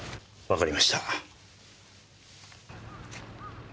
わかりました。